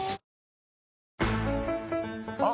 あ！